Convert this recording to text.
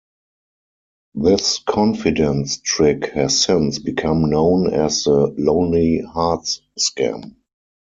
This confidence trick has since become known as the "Lonely Hearts Scam".